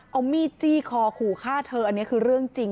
เอามีดจี้คอขู่ฆ่าเธออันนี้คือเรื่องจริง